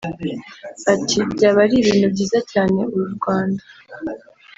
Ati “Byaba ari ibintu byiza cyane uru Rwanda